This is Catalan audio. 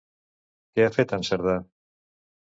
Què ha fet en Cerdà?